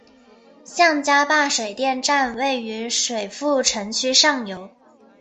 向家坝水电站位于水富城区上游。